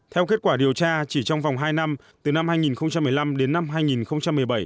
theo kết quả điều tra chỉ trong vòng hai năm từ năm hai nghìn một mươi năm đến năm hai nghìn một mươi bảy